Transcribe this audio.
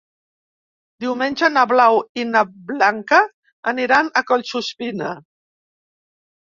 Diumenge na Blau i na Blanca aniran a Collsuspina.